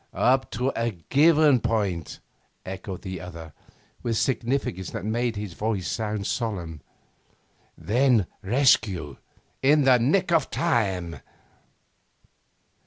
'Up to a given point,' echoed the other, with significance that made his voice sound solemn. 'Then rescue in the nick of time.